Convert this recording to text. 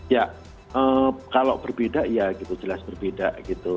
ya kalau berbeda ya gitu jelas berbeda gitu